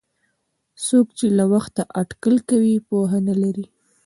څوک چې له وخته اټکل کوي پوهه نه لري.